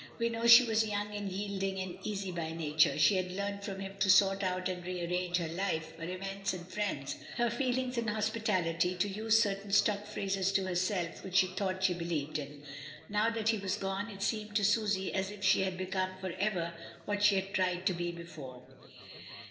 We know she was young and yielding and easy by nature; she had learnt from him to sort out and arrange her life, her events and friends, her feelings and hospitality — to use certain stock phrases to herself, . which she thought she believed in. Now that he was gone, it seemed to Susy as if she had become for ever what she had tried to be before.